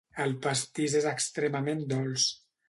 El pastís és extremament dolç.